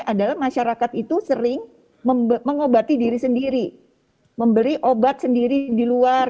adalah masyarakat itu sering mengobati diri sendiri memberi obat sendiri di luar